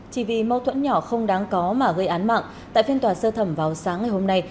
chỉ vì mâu thuẫn nhỏ không đáng có mà gây án mạng tại phiên tòa sơ thẩm vào sáng ngày hôm nay